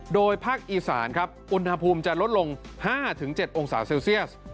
โดยภาคอีสานครับอุณหภูมิจะลดลง๕๗องศาเซลเซียส